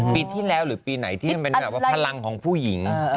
ปีที่แล้วหรือปีไหนที่มันเป็นแบบว่าพลังของผู้หญิง